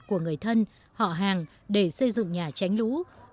của người thân họ hàng để xây dựng nhà tránh lũ